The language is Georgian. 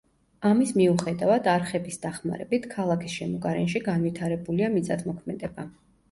ამის მიუხედავად, არხების დახმარებით ქალაქის შემოგარენში განვითარებულია მიწათმოქმედება.